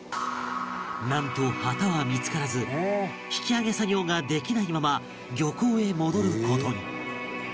なんと旗は見付からず引き揚げ作業ができないまま漁港へ戻る事に